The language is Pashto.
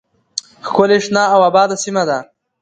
ښکلې شنه او آباده سیمه ده